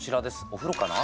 お風呂かな？